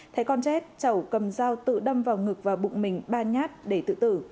thấy con chết chẩu cầm dao tự đâm vào ngực và bụng mình ba nhát để tự tử